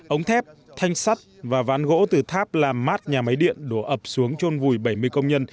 ống thép thanh sắt và ván gỗ từ tháp làm mát nhà máy điện đổ ập xuống trôn vùi bảy mươi công nhân